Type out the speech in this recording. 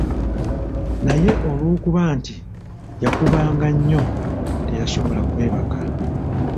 Naye olw'okuba nti yakubanga nnyo, teyasobola kwebaka.